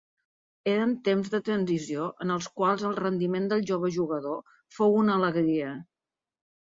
Eren temps de transició en els quals el rendiment del jove jugador fou una alegria.